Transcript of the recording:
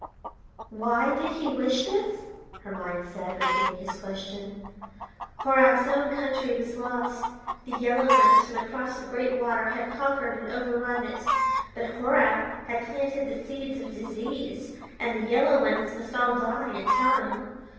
"Why did he wish this?" her mind said, repeating his question. "Horab's own country was lost; the yellow ones from across the great water had conquered and overrun it. But Horab had planted the seeds of disease, and the yellow ones must all die in time.